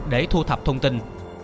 để thu thập thông tin